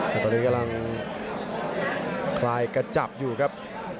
แต่ตอนนี้กำลังคลายกระจับอยู่ครับ